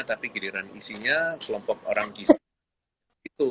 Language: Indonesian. tapi giliran isinya kelompok orang gizi